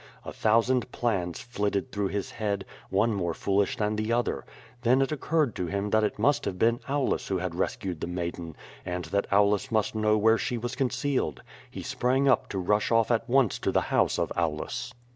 A thousand plans flitted through his head, one more foolish than the other. Then it occurred to him that it must have been Aulus who had rescued the maiden, and that Aulus must know where she was con cealed. He sprang lip to rush off at once to the house of Aulus.